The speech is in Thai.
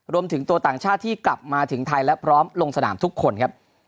รวมถึงตัวต่างชาติที่กลับมาถึงไทยและพร้อมลงสนามทุกคนครับ